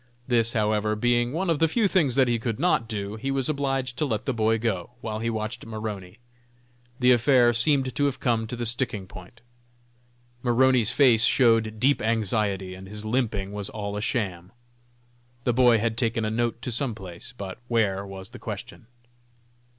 This, however, being one of the few things that he could not do, he was obliged to let the boy go while he watched Maroney. The affair seemed to have come to the sticking point. Maroney's face showed deep anxiety, and his limping was all a sham. The boy had taken a note to some place, but where, was the question.